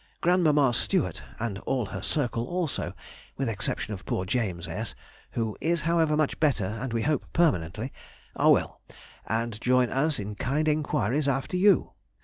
Grandmamma Stewart, and all her circle also, with exception of poor James S. (who is, however, much better, and we hope permanently), are well, and join us in kind enquiries after you.